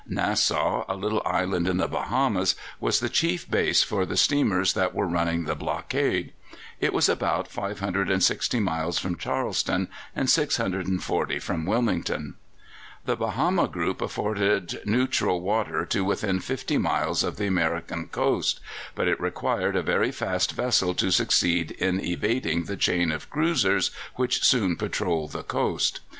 Nassau, a little island in the Bahamas, was the chief base for the steamers that were running the blockade. It is about 560 miles from Charleston and 640 from Wilmington. The Bahama group afforded neutral water to within fifty miles of the American coast, but it required a very fast vessel to succeed in evading the chain of cruisers which soon patrolled the coast.